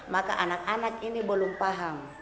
maka anak anak ini belum paham